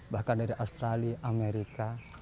bahkan dari australia amerika